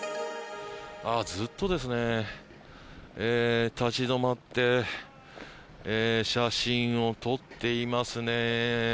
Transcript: ずっとですね、立ち止まって写真を撮っていますね。